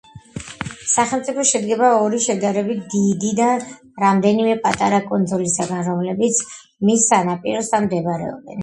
სახელმწიფო შედგება ორი შედარებით დიდი და რამდენიმე პატარა კუნძულისაგან, რომლებიც მის სანაპიროსთან მდებარეობენ.